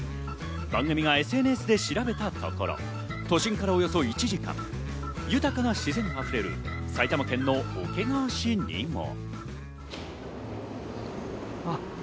番組がＳＮＳで調べたところ、都心からおよそ１時間、豊かな自然溢れる埼玉県の桶川市にも。